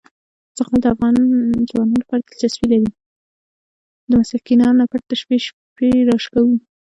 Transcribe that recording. د مسکينانو نه پټ د شپې شپې را شکوو!!.